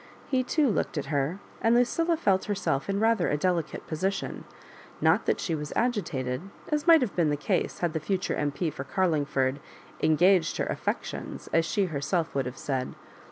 He too looked at her, and Lucilla felt herself in rather a delicate position; not that she was agitated, as might have been the case had the future M.P. for Carlingford '* engaged her affec tions," as she herself would hav« said.